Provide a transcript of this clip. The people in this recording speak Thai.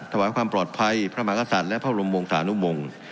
ถวายความปลอดภัยพระมหากษัตริย์และพระบรมวงศานุมง